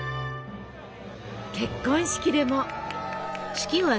結婚式でも。